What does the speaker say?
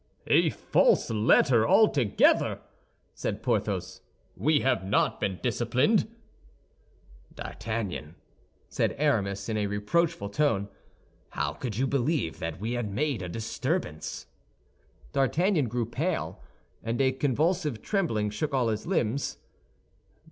"A false letter altogether," said Porthos, "we have not been disciplined." "D'Artagnan," said Aramis, in a reproachful tone, "how could you believe that we had made a disturbance?" D'Artagnan grew pale, and a convulsive trembling shook all his limbs.